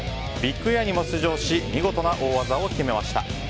ビッグエアにも出場し見事な大技を決めました。